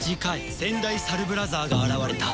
先代サルブラザーが現れた。